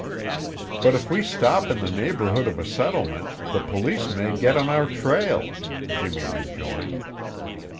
"But if we stop in the neighborhood of a settlement, the police may get on our trail," Jimmy rejoined.